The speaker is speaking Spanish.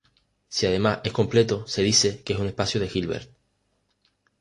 Si además es completo, se dice que es un espacio de Hilbert.